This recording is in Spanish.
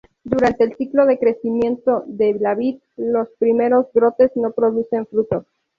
Durante el ciclo de crecimiento de la vid, los primeros brotes no producen frutos.